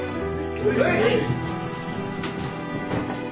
はい。